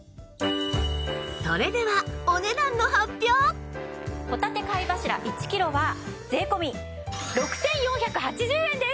それではほたて貝柱１キロは税込６４８０円です。